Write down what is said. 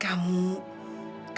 kamu memang cantik